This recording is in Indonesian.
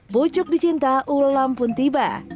bucuk dicinta ulam pun tiba